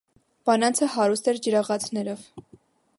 Բանանցը հարուստ էր ջրաղացներով։